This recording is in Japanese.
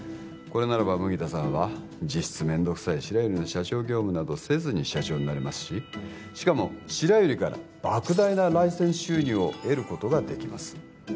これならば麦田さんは実質面倒くさい白百合の社長業務などせずに社長になれますししかも白百合から莫大なライセンス収入を得ることができます